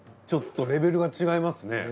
ちょっとレベルが違いますね。